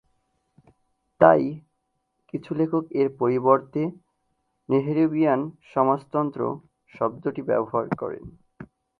তাই, কিছু লেখক এর পরিবর্তে "নেহরুভিয়ান সমাজতন্ত্র" শব্দটি ব্যবহার করেন।